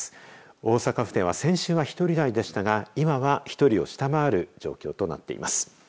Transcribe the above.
大阪府では先週は１人台でしたが今は１人を下回る状況となっています。